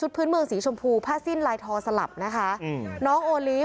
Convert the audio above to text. เหมือนที่พี่เบิร์ทบอกเมื่อตะกี้นี้ล่ะค่ะ